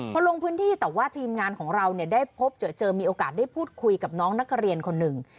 พอลงพื้นที่แต่ว่าทีมงานของเราเนี่ยได้พบเจอมีโอกาสได้พูดคุยกับน้องนักเรียนคนหนึ่ง